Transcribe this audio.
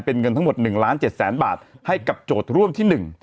เป็นเงินทั้งหมดหนึ่งล้านเจ็ดแสนบาทให้กับโจทย์ร่วมที่หนึ่ง